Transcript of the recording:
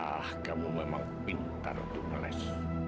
ah kamu memang pintar dupeles